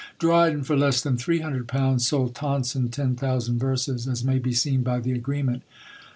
Dryden, for less than three hundred pounds, sold Tonson ten thousand verses, as may be seen by the agreement.